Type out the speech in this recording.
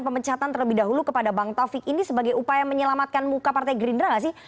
pemecatan terlebih dahulu kepada bang taufik ini sebagai upaya menyelamatkan muka partai gerindra gak sih